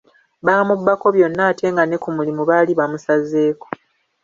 Baamubbako byonna ate nga ne ku mulimu baali bamusazeeko.